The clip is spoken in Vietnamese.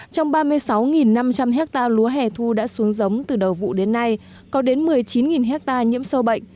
trong ba mươi sáu năm trăm linh hectare lúa hẻ thu đã xuống giống từ đầu vụ đến nay có đến một mươi chín hectare nhiễm sâu bệnh